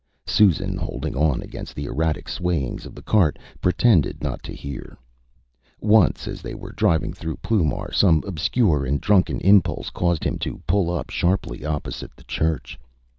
Susan, holding on against the erratic swayings of the cart, pretended not to hear. Once, as they were driving through Ploumar, some obscure and drunken impulse caused him to pull up sharply opposite the church.